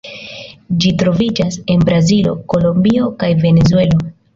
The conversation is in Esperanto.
Ĝi troviĝas en Brazilo, Kolombio kaj Venezuelo.